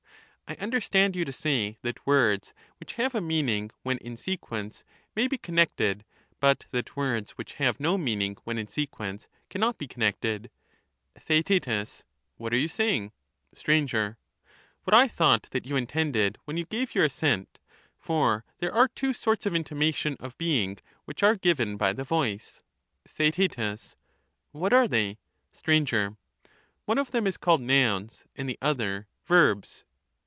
I understand you to say that words which have a connected, meaning when in sequence may be connected, but that words which have no meaning when in sequence cannot be con nected ? Theaet. What are you saying ? Str. What I thought that you intended when you gave your assent ; for there are two sorts of intimation of being which are given by the voice. Theaet. What are they ? Str. One of them is called nouns, and the other verbs.